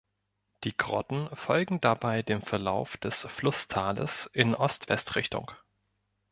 Die Grotten folgen dabei dem Verlauf des Flusstales in Ost-West-Richtung.